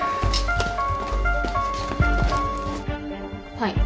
はい。